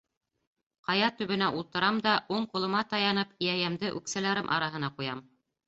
— Ҡая төбөнә ултырам да, уң ҡулыма таянып, йәйәмде үксәләрем араһына ҡуям.